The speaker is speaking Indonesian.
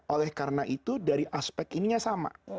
oleh karena itu dari aspek ininya sama